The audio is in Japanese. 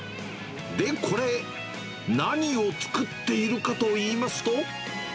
で、これ、何を作っているかといいますと。